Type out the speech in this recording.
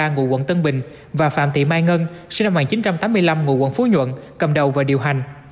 ngụ quận tân bình và phạm thị mai ngân sinh năm một nghìn chín trăm tám mươi năm ngụ quận phú nhuận cầm đầu và điều hành